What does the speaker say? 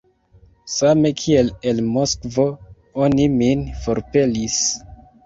Same kiel el Moskvo oni min forpelis!